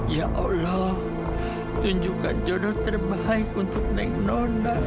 ya allah tunjukkan jodoh terbaik untuk neng nona